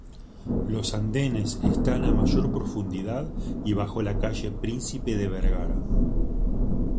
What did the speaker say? Los andenes están a mayor profundidad y bajo la calle Príncipe de Vergara.